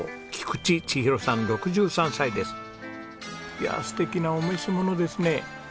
いやあ素敵なお召し物ですね。